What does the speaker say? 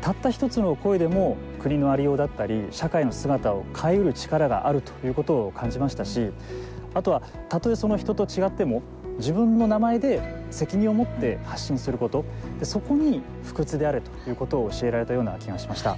たった１つの声でも国のありようだったり社会の姿を変えうる力があるということを感じましたしあとは、たとえ人と違っても自分の名前で責任を持って発信することそこに不屈であれということを教えられたような気がしました。